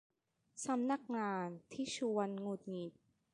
สำนักงานที่ชวนหงุดหงิด